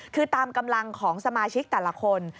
คือตามกำลังของสมาชิกแต่ละคน